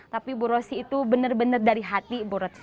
tapi bu rosi itu benar benar dari hati bu rosy